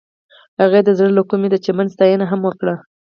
هغې د زړه له کومې د چمن ستاینه هم وکړه.